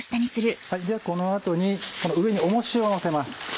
じゃあこの後にこの上に重しを乗せます。